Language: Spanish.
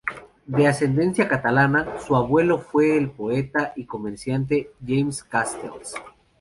De ascendencia catalana, su abuelo fue el poeta y comerciante Jaime Castells.